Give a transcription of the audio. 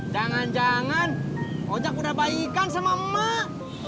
jangan jangan ojak udah baikan sama mak